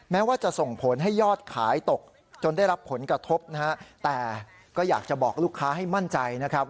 แม้ว่าจะส่งผลให้ยอดขายตกจนได้รับผลกระทบนะฮะแต่ก็อยากจะบอกลูกค้าให้มั่นใจนะครับ